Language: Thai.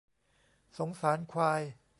สงสารควาย